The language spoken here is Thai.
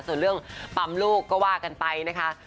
ส่วนเรื่องปั๊มลูกก็ว่ากันไปนะคะ